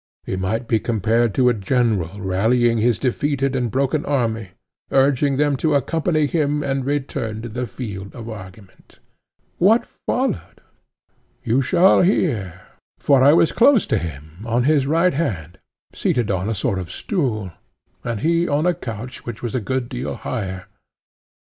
He might be compared to a general rallying his defeated and broken army, urging them to accompany him and return to the field of argument. ECHECRATES: What followed? PHAEDO: You shall hear, for I was close to him on his right hand, seated on a sort of stool, and he on a couch which was a good deal higher.